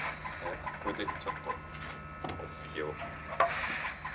これでちょっと落ち着きを。